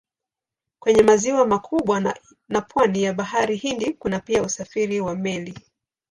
Kwenye maziwa makubwa na pwani ya Bahari Hindi kuna pia usafiri wa meli.